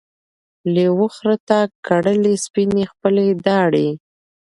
لېوه خره ته کړلې سپیني خپلي داړي